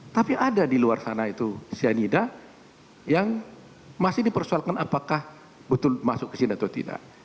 tapi ada di luar sana itu cyanida yang masih dipersoalkan apakah betul masuk ke sini atau tidak